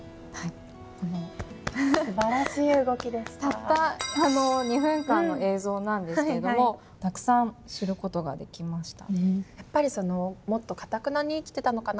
たった２分間の映像なんですけれどもたくさん知る事ができました。